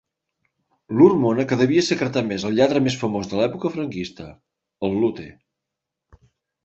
L'hormona que devia secretar més el lladre més famós de l'època franquista: el Lute.